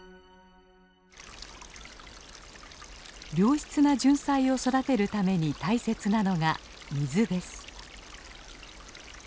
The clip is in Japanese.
良質なジュンサイを育てるために大切なのが水です。